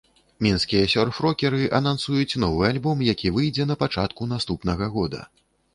Мінскія сёрф-рокеры анансуюць новы альбом, які выйдзе на пачатку наступнага года.